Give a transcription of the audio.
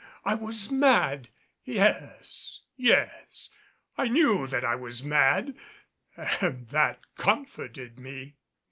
I was mad! Yes, yes, I knew that I was mad, and that comforted me.